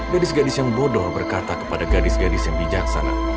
gadis gadis yang bodoh berkata kepada gadis gadis yang bijaksana